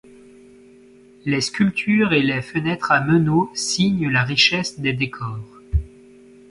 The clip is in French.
Les sculptures et les fenêtres à meneaux signent la richesse des décors.